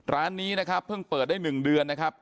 ร้านนี้นะครับเพิ่งเปิดได้๑เดือนนะครับ